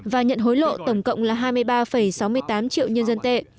và nhận hối lộ tổng cộng là hai mươi ba sáu mươi tám triệu nhân dân tệ